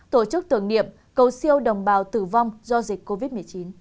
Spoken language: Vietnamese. tổ chức tưởng niệm cầu siêu đồng bào tử vong do dịch covid một mươi chín